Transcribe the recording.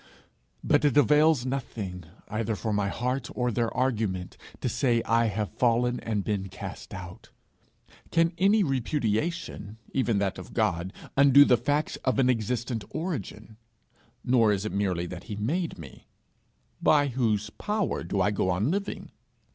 But it avails nothing, either for my heart or their argument, to say I have fallen and been cast out: can any repudiation, even that of God, undo the facts of an existent origin? Nor is it merely that he made me: by whose power do I go on living?